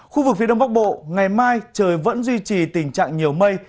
khu vực phía đông bắc bộ ngày mai trời vẫn duy trì tình trạng nhiều mây